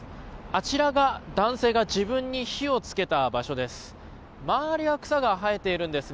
あちらが男性が自分に火を付けた場所です。